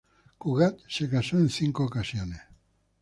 Cugat se casó en cinco ocasiones.